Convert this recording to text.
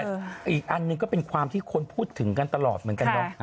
อีกอันหนึ่งก็เป็นความที่คนพูดถึงกันตลอดเหมือนกันเนาะ